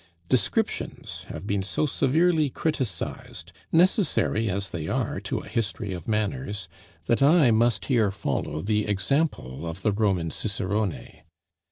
Descriptions have been so severely criticised, necessary as they are to a history of manners, that I must here follow the example of the Roman Cicerone.